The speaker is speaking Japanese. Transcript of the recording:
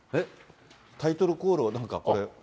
タイトルコールをなんかこれ。